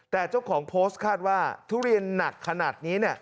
แต่เจ้าของโพสต์คาดว่าทุเรียนหนักขนาดนี้